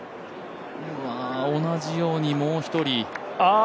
同じようにもう一人。